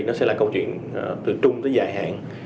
nó sẽ là câu chuyện từ trung tới dài hạn